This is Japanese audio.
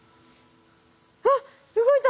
あっ動いた。